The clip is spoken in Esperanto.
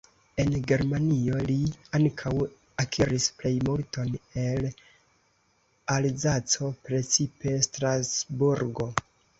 En Germanio, li ankaŭ akiris plejmulton el Alzaco, precipe Strasburgo.